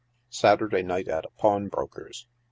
SATURDAY NIGHT AT A PAWNBROKER S.